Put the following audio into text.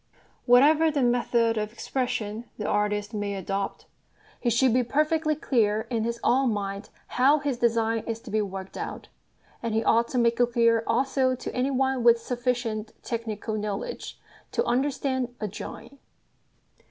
Whatever the method of expression the artist may adopt, he should be perfectly clear in his own mind how his design is to be worked out; and he ought to make it clear also to any one with sufficient technical knowledge to understand a drawing.